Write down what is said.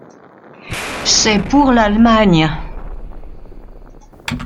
C’est pour l’Allemagne.